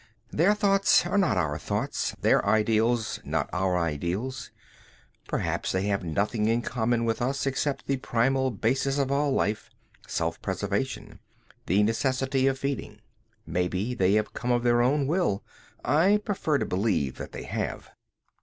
"Their thoughts are not our thoughts, their ideals not our ideals. Perhaps they have nothing in common with us except the primal basis of all life, self preservation, the necessity of feeding. "Maybe they have come of their own will. I prefer to believe that they have.